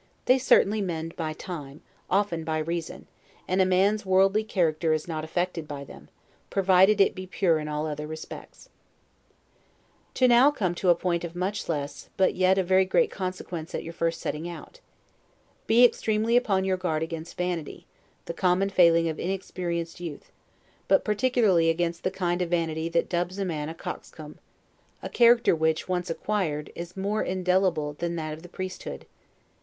They certainly mend by time, often by reason; and a man's worldly character is not affected by them, provided it be pure in all other respects. To come now to a point of much less, but yet of very great consequence at your first setting out. Be extremely upon your guard against vanity, the common failing of inexperienced youth; but particularly against that kind of vanity that dubs a man a coxcomb; a character which, once acquired, is more indelible than that of the priesthood.